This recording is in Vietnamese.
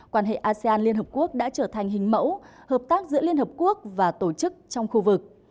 quan hệ asean liên hợp quốc đã trở thành hình mẫu hợp tác giữa liên hợp quốc và tổ chức trong khu vực